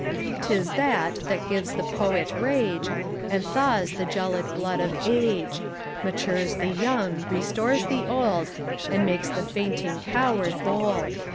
'Tis that, that gives the poet rage, And thaws the gelid blood of age; Matures the young, restores the old, And makes the fainting coward bold.